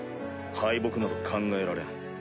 敗北など考えられん。